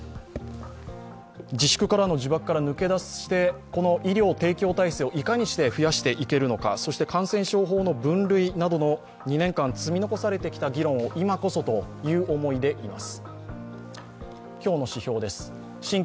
自粛からの呪縛から抜け出して、医療提供体制をいかに増やしていけるのかそして感染症法の分類などの２年間残されてきた議論などを今こそという思いでいます。